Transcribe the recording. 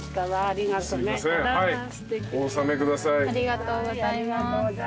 ありがとうございます。